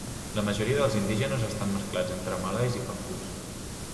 La majoria dels indígenes estan mesclats entre malais i papús.